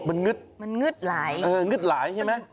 มันงึดหลายใช่ไหมครับ